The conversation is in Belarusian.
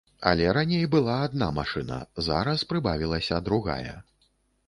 Але раней была адна машына, зараз прыбавілася другая.